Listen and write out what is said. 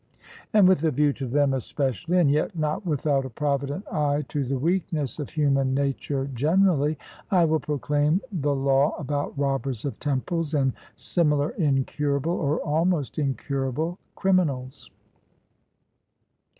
And with a view to them especially, and yet not without a provident eye to the weakness of human nature generally, I will proclaim the law about robbers of temples and similar incurable, or almost incurable, criminals.